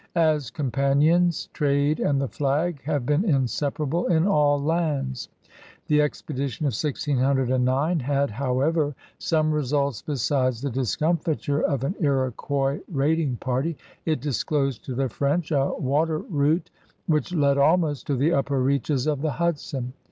As compan ions, trade and the flag have been inseparable in all lands. The expedition of 1609 had, however, some results besides the discomfiture of an Iroquois raiding party. It disclosed to the French a water route which led almost to the upper reaches of the Hudson.